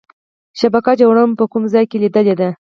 شبکه جوړونه مو په کوم ځای کې لیدلې ده؟